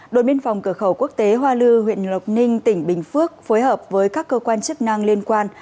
đội biên phòng cửa khẩu quốc tế hoa lư huyện lộc ninh tỉnh bình phước phối hợp với các cơ quan chức năng liên quan